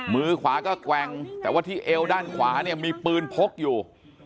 มือขวาก็แกว่งแต่ว่าที่เอวด้านขวาเนี่ยมีปืนพกอยู่